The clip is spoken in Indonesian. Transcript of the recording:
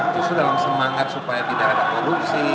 justru dalam semangat supaya tidak ada korupsi